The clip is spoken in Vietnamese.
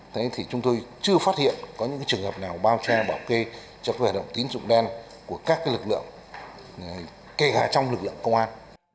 thế thì chúng tôi chưa phát hiện có những trường hợp nào bao che bảo kê cho cái hoạt động tín dụng đen của các lực lượng kể cả trong lực lượng công an